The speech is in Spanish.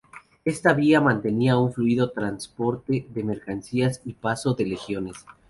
Esta vía mantenía un fluido transporte de mercancías y paso de legiones.